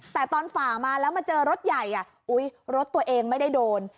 แต่ตอนฝ่ามาแล้วมาเจอรถใหญ่รถตัวเองไม่ได้โดน